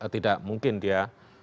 tidak mungkin dia